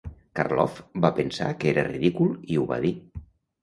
Karloff va pensar que era ridícul i ho va dir.